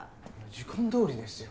時間どおりですよ。